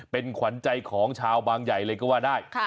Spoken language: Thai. เป็นขวัญใจของชาวบางใหญ่เลยก็ว่าได้